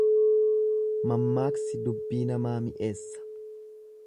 Mammaaksi dubbii namaa mi'eessa.